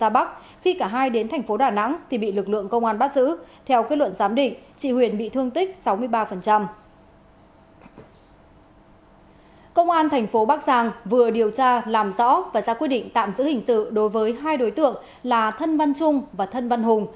bác giang vừa điều tra làm rõ và ra quyết định tạm giữ hình sự đối với hai đối tượng là thân văn trung và thân văn hùng